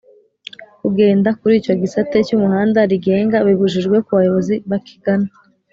kugenda kuri icyo gisate cy'umuhanda rigenga, bibujijwe ku bayobozi bakigana